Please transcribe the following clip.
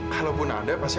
kalaupun ada pasti ada